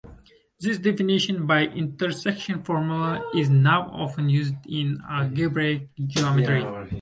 This definition by intersection formula is now often used in algebraic geometry.